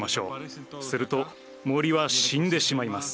すると森は死んでしまいます。